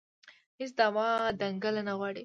هېڅ دعوا دنګله نه غواړي